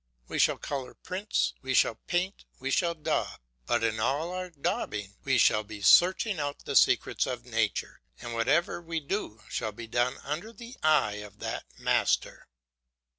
We shall colour prints, we shall paint, we shall daub; but in all our daubing we shall be searching out the secrets of nature, and whatever we do shall be done under the eye of that master.